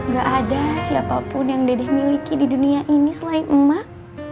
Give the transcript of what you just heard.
gak ada siapapun yang dede miliki di dunia ini selain emak